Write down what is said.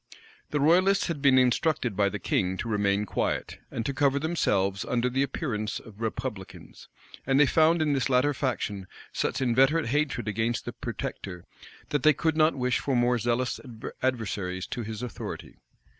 The royalists had been instructed by the king to remain quiet, and to cover themselves under the appearance of republicans; and they found in this latter faction such inveterate hatred against the protector, that they could not wish for more zealous adversaries to his authority.